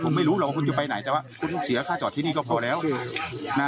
คุณไม่รู้หรอกว่าคุณจะไปไหนแต่ว่าคุณเสียค่าจอดที่นี่ก็พอแล้วนะ